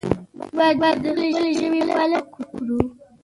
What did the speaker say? موږ باید د خپلې ژبې پالنه وکړو.